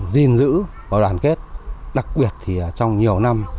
gìn giữ và đoàn kết đặc biệt thì trong nhiều năm